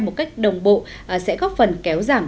một cách đồng bộ sẽ góp phần kéo giảm